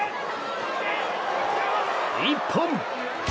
一本！